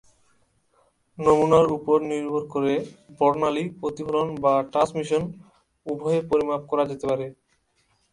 নমুনার উপর নির্ভর করে বর্ণালী প্রতিফলন বা ট্রান্সমিশন উভয়ই পরিমাপ করা যেতে পারে।